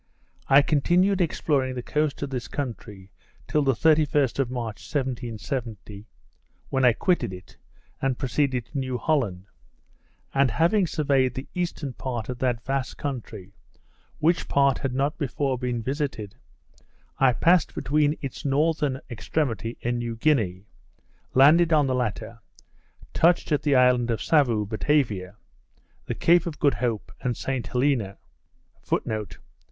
I continued exploring the coast of this country till the 31st of March, 1770, when I quitted it, and proceeded to New Holland; and having surveyed the eastern coast of that vast country, which part had not before been visited, I passed between its northern extremity and New Guinea, landed on the latter, touched at the island of Savu, Batavia, the Cape of Good Hope, and St Helena,* and arrived in England on the 12th of July, 1771.